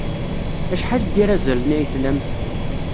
Acḥal n yirazalen ay tlamt?